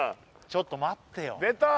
ちょっと待ってよ出た！